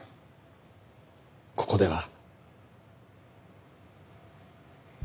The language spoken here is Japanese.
ここでは。